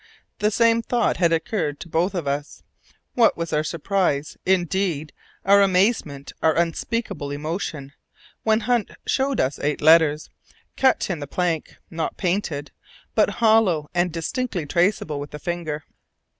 The same thought had occurred to both of us. What was our surprise, indeed our amazement, our unspeakable emotion, when Hunt showed us eight letters cut in the plank, not painted, but hollow and distinctly traceable with the finger.